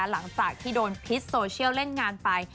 หลังจากที่โดนพิษโซเชียลเล่นงานไป